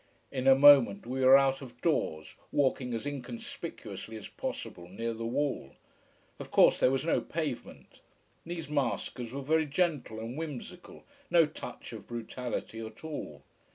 In a moment we were out of doors, walking as inconspicuously as possible near the wall. Of course there was no pavement. These maskers were very gentle and whimsical, no touch of brutality at all.